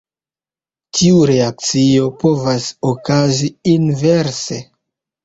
Tiu reakcio povas okazi inverse.